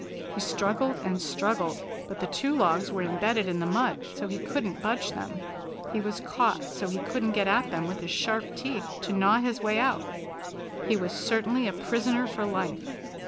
He struggled and struggled, but the two logs were embedded in the mud so he couldn't budge them. He was caught so he couldn't get at them with his sharp teeth to gnaw his way out. He was certainly a prisoner for life.